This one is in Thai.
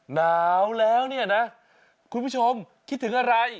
หนาวแล้วเนี่ยนะคุณผู้ชมคิดถึงอะไร